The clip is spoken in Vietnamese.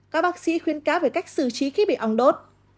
các bác sĩ khuyên cáo về cách xử trí khi bị ong đốt